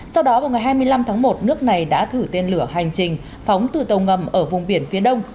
sau đó vào ngày hai mươi năm tháng một nước này đã thử tên lửa hành trình phóng từ tàu ngầm ở vùng biển phía đông